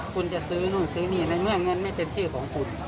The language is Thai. คุณจะซื้อนู่นซื้อนี่ในเมื่อเงินไม่เป็นชื่อของคุณ